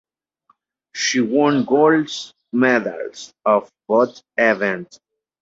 She won gold medals at both events.